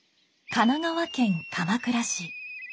神奈川県鎌倉市。